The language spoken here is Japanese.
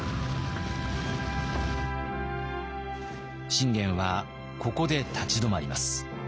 信玄はここで立ち止まります。